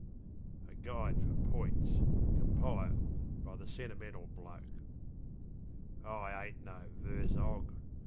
A GUIDE FOR POITS (Compiled by the Sentimental Bloke) I ain't no verse 'og.